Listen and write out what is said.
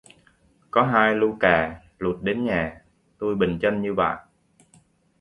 Có hai lu cà, lụt đến nhà, tui bình chân như vại